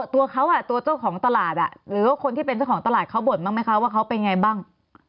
ตัวเขาตัวเจ้าของตลาดหรือว่าคนที่เป็นเจ้าของตลาดเขาบ่นบ้างไหมคะว่าเขาเป็นไงบ้าง